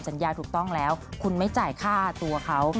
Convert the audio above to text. สัญญาถูกต้องแล้วคุณไม่จ่ายค่าตัวเขา